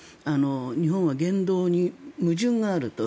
日本は言動に矛盾があると。